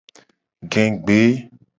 Gegbe.